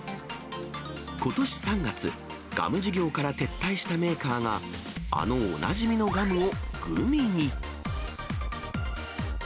ことし３月、ガム事業から撤退したメーカーが、あのおなじみのガムをグミに。